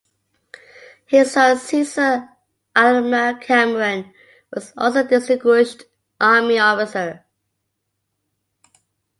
His son, Cecil Aylmer Cameron, was also a distinguished Army officer.